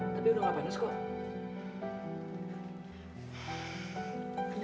tapi udah gak panas kok